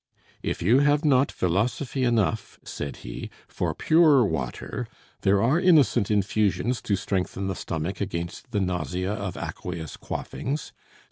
"If you have not philosophy enough," said he, "for pure water, there are innocent infusions to strengthen the stomach against the nausea of aqueous quaffings.